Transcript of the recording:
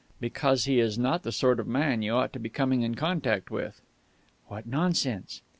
"Because he is not the sort of man you ought to be coming in contact with." "What nonsense!"